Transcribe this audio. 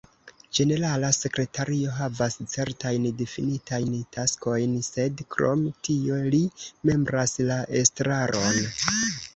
Ĝenerala sekretario havas certajn difinitajn taskojn, sed krom tio li membras la estraron.